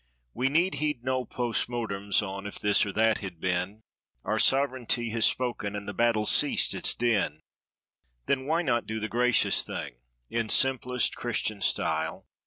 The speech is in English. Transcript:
We need hold no post mortems on—"If this or that had been!" Our sovereignty has spoken and the battle's ceased its din. Then why not do the gracious thing, in simplest Christian style.